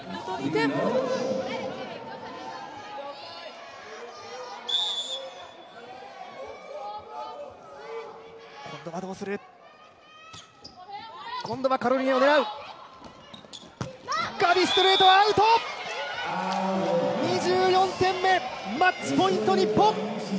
２４点目、マッチポイント日本。